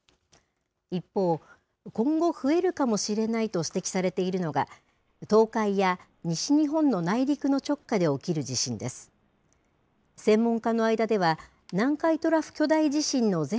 一方、今後増えるかもしれないと指摘されているのが、東海や西日本の内陸の直下で起きる地震です。